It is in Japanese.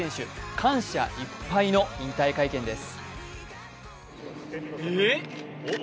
感謝いっぱいの引退会見です。